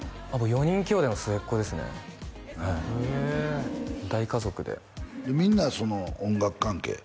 ４人きょうだいの末っ子ですねへえ大家族でみんな音楽関係？